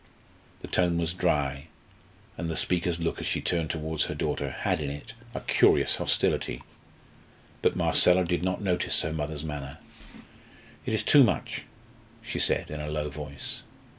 The tone was dry, and the speaker's look as she turned towards her daughter had in it a curious hostility; but Marcella did not notice her mother's manner. "It is too much," she said in a low voice.